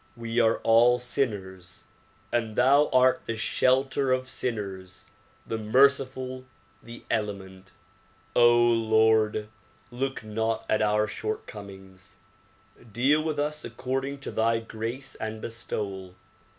We are all sinners and thou art the shelter of sinners, the merciful, the clement. Lord ! look not at our shortcomings. Deal with us according to thy grace and bestowal.